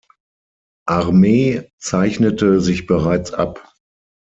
Armee zeichnete sich bereits ab.